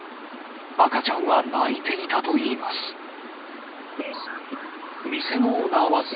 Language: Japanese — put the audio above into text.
赤ちゃんは泣いていたといいます。